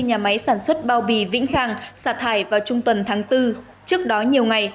nhà máy sản xuất bao bì vĩnh khang xả thải vào trung tuần tháng bốn trước đó nhiều ngày